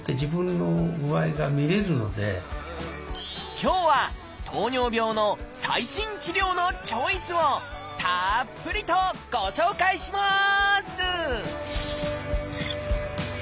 今日は糖尿病の最新治療のチョイスをたっぷりとご紹介します！